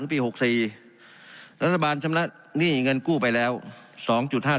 เราเรียกเงินกู้ที่รัฐบาลกู้มาไม่ว่าอยู่เป็นการกู้เงินตาม๒๐๑๐๒๐๑๔